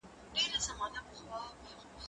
زه به سبا موبایل کاروم!!